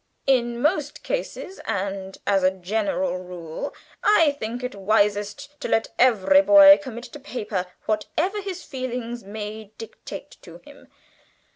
In most cases, and as a general rule, I think it wisest to let every boy commit to paper whatever his feelings may dictate to him.